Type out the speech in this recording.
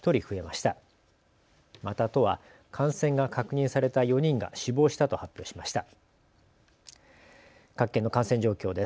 また都は感染が確認された４人が死亡したと発表しました。